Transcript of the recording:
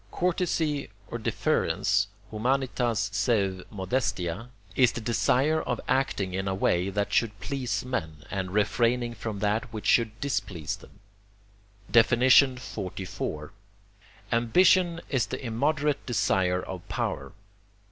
Courtesy, or deference (Humanitas seu modestia), is the desire of acting in a way that should please men, and refraining from that which should displease them. XLIV. Ambition is the immoderate desire of power.